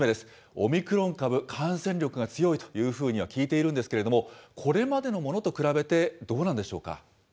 オミクロン株、感染力が強いというふうには聞いているんですけれども、これまでのものと比べて、どうなんでしょうか？